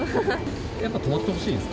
やっぱり止まってほしいです